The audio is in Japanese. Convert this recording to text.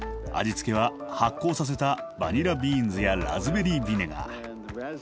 味付けは発酵させたバニラビーンズやラズベリービネガー。